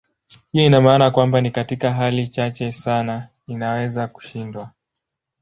Hiyo ina maana kwamba ni katika hali chache sana inaweza kushindwa.